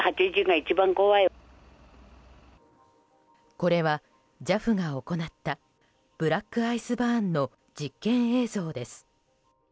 これはＪＡＦが行ったブラックアイスバーンの実験映像です。